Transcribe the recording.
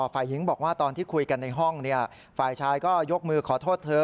ฝ่ายหญิงบอกว่าตอนที่คุยกันในห้องฝ่ายชายก็ยกมือขอโทษเธอ